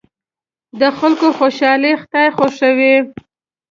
د خلکو خوشحالي خدای خوښوي.